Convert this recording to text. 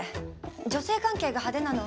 女性関係が派手なの